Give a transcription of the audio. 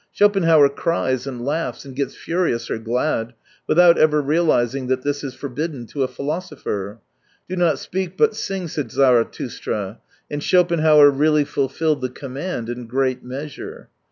Schopenhauer cries and laughs and gets furious or glad, without ever realising that this is forbidden to a philosopher. " Do not speak, but sing," said Zarathus'tra, and Schopenhauer really fulfilled the command in great measure.